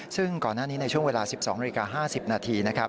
ซึ่งก่อนหน้านี้ในช่วงเวลา๑๒น๕๐น